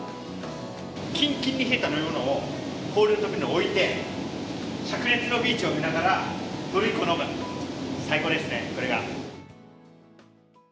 きんきんに冷えた飲み物を氷の上に置いて、しゃく熱のビーチを見ながらドリンクを飲む、最高ですね、これが。